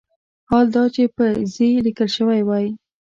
حال دا چې په "ز" لیکل شوی وای.